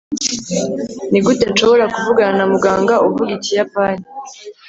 nigute nshobora kuvugana na muganga uvuga ikiyapani